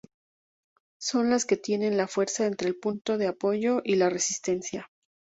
Son las que tienen la fuerza entre el punto de apoyo y la resistencia.